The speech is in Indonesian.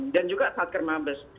dan juga saat kermabes